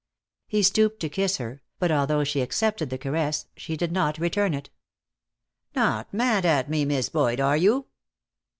He stooped to kiss her, but although she accepted the caress, she did not return it. "Not mad at me, Miss Boyd, are you?"